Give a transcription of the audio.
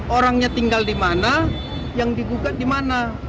orangnya tinggal di mana yang digugat di mana